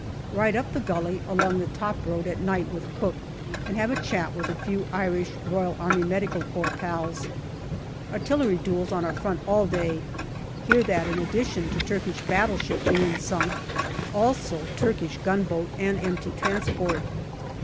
Ride up the gully along the top road at night with Cooke, and have a chat with a few Irish R.A.M.C. pals. Artillery duels on our front all day. Hear that in addition to Turkish battleship being sunk, also Turkish gunboat and empty transport.